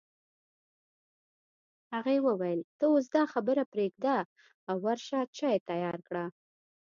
هغې وویل ته اوس دا خبرې پرېږده او ورشه چای تيار کړه